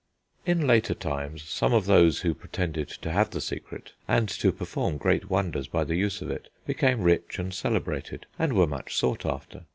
In later times, some of those who pretended to have the secret and to perform great wonders by the use of it, became rich and celebrated, and were much sought after.